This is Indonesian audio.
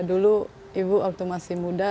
dulu ibu waktu masih muda